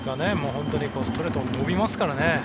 本当にストレートも伸びますからね。